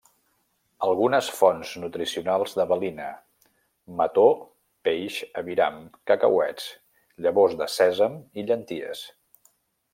Algunes fonts nutricionals de valina: mató, peix, aviram, cacauets, llavors de sèsam, i llenties.